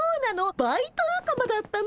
バイト仲間だったの？